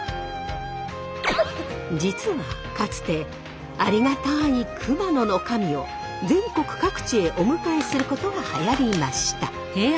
実はかつてありがたい熊野の神を全国各地へお迎えすることがはやりました。